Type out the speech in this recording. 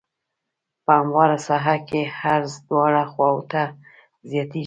په همواره ساحه کې عرض دواړو خواوو ته زیاتیږي